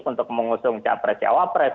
untuk mengusung cawapres cawapres